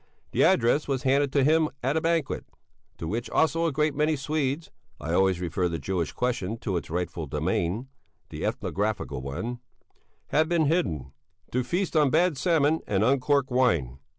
The address was handed to him at a banquet, to which also a great many Swedes (I always refer the Jewish question to its rightful domain, the ethnographical one) had been bidden, to feast on bad salmon and uncorked wine.